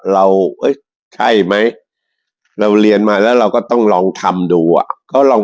เอ้ยใช่ไหมเราเรียนมาแล้วเราก็ต้องลองทำดูอ่ะเขาลอง